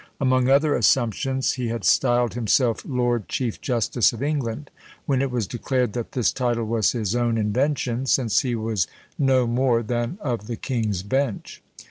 Among other assumptions, he had styled himself "Lord Chief Justice of England," when it was declared that this title was his own invention, since he was no more than of the King's Bench.